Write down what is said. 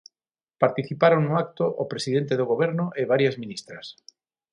Participaron no acto o presidente do Goberno e varias ministras.